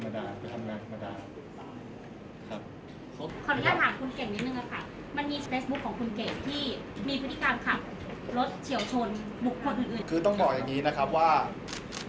มีเฟซบุคของคุณเก่งที่มีพฤติกรามขับรถเฉียวชนบุคคล์อื่น